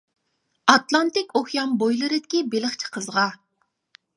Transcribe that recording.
ئاتلانتىك ئوكيان بويلىرىدىكى بېلىقچى قىزغا.